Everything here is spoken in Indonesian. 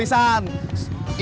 maksudnya bagaimana mas